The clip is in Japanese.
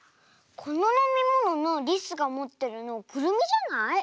こののみもののりすがもってるのくるみじゃない？